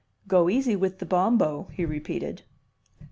"Go easy with the Bombo," he repeated.